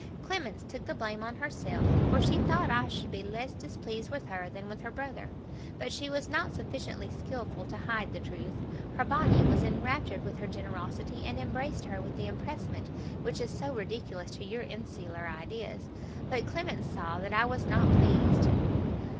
Clemence took the blame on herself, for she thought I should be less displeased with her than with her brother; but she was not sufficiently skilful to hide the truth. Her BONNE was enraptured with her generosity, and embraced her with the EMPRESSEMENT which is so ridiculous to your insular ideas; but Clemence saw that I was not pleased.